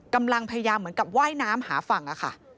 กำลังพยายามเหมือนกับว่ายน้ำหาฝั่งอะค่ะ